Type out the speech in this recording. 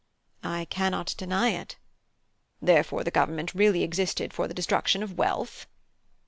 (I) I cannot deny it. (H.) Therefore the government really existed for the destruction of wealth?